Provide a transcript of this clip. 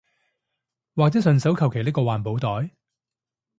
或者順手求其拎個環保袋